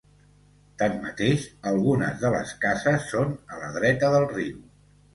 Tanmateix, algunes de les cases són a la dreta del riu.